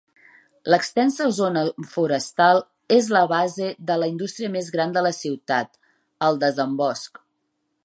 L'extensa zona forestal és la base de la industria més gran de la ciutat: el desembosc.